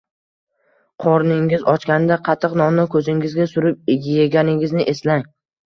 Qorningiz ochganida qattiq nonni ko`zingizga surib eganingizni eslang